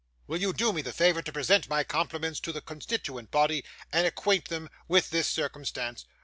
'Will you do me the favour to present my compliments to the constituent body, and acquaint them with this circumstance?